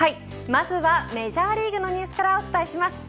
まずはメジャーリーグのニュースからお伝えします。